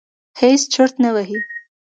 هېڅ چرت نه وهي.